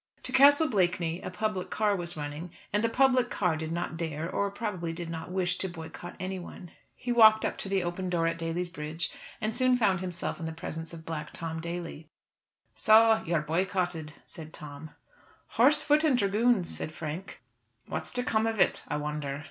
To Castle Blakeney a public car was running, and the public car did not dare, or probably did not wish, to boycott anyone. He walked up to the open door at Daly's Bridge and soon found himself in the presence of Black Tom Daly. "So you are boycotted?" said Tom. "Horse, foot, and dragoons," said Frank. "What's to come of it, I wonder?"